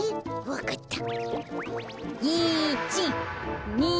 わかった。